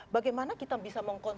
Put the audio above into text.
bagaimana kita bisa melakukan